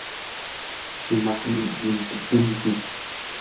shumaqmi llimpikunki.